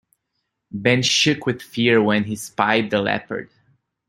Ben shook with fear when he spied the leopard.